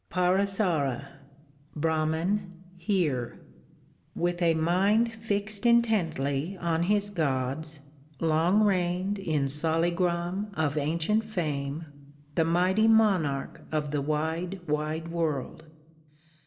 PARASARA. Brahman, hear. With a mind fixed intently on his gods Long reigned in Saligram of ancient fame, The mighty monarch of the wide, wide world.